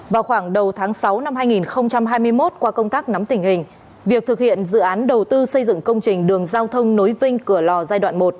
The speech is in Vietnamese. vào khoảng đầu tháng sáu năm hai nghìn hai mươi một qua công tác nắm tình hình việc thực hiện dự án đầu tư xây dựng công trình đường giao thông nối vinh cửa lò giai đoạn một